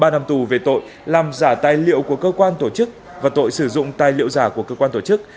ba năm tù về tội làm giả tài liệu của cơ quan tổ chức và tội sử dụng tài liệu giả của cơ quan tổ chức